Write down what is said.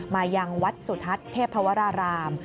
มายังวัดสุทัศน์เทพวราราม